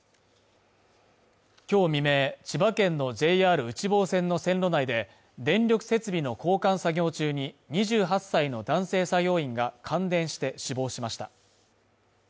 今日未明、千葉県のＪＲ内房線の線路内で、電力設備の交換作業中に２８歳の男性作業員が感電して死亡しました。